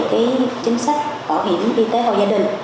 chính sách bảo hiểm y tế hộ gia đình